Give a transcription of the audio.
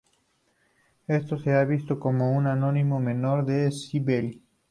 Esto se ha visto como un sinónimo menor de "C. belli".